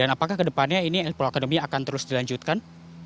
apakah ini elk pro academy akan terus dilanjutkan